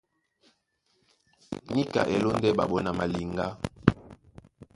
Níka e lóndɛ́ ɓaɓɔ́ na maliŋgá.